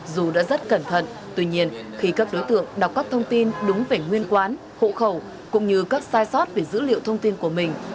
dù đã rất cẩn thận tuy nhiên khi các đối tượng đọc các thông tin đúng về nguyên quán hộ khẩu cũng như các sai sót về dữ liệu thông tin của mình